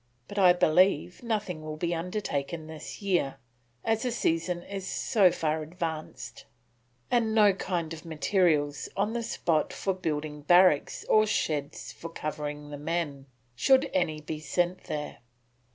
But I believe nothing will be undertaken this year, as the season is so far advanced, and no kind of materials on the spot for building barracks or sheds for covering the men, should any be sent there.